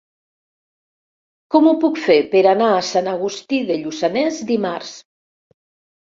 Com ho puc fer per anar a Sant Agustí de Lluçanès dimarts?